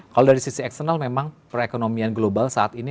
kalau dari sisi eksternal memang perekonomian global saat ini